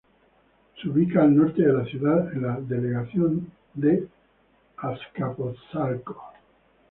Se ubica al norte de la ciudad, en la delegación Azcapotzalco.